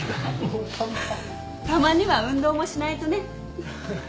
たまには運動もしないとね。